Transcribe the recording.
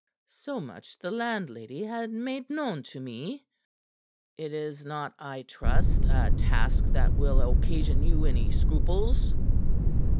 "So much the landlady had made known to me." "It is not, I trust, a task that will occasion you any scruples."